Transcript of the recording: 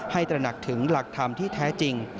ตระหนักถึงหลักธรรมที่แท้จริง